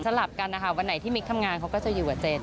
ลับกันนะคะวันไหนที่มิ๊กทำงานเขาก็จะอยู่กับเจน